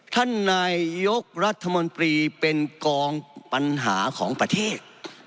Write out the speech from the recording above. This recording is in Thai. นายยกรัฐมนตรีเป็นกองปัญหาของประเทศ